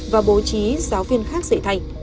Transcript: và bố trí giáo viên khác dạy thay